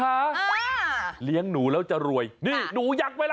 อ่าเลี้ยงหนูแล้วจะรวยนี่หนูยักษ์ไหมล่ะ